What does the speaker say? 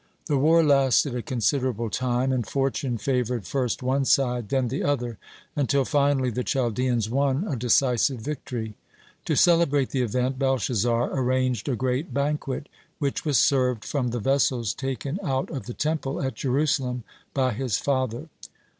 The war lasted a considerable time, and fortune favored first one side, then the other, until finally the Chaldeans won a decisive victory. To celebrate the event, Belshazzar arranged a great banquet, which was served from the vessels taken out of the Temple at Jerusalem by his father.